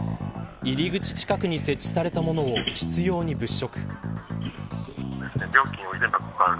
入り口近くに設置された物を執拗に物色。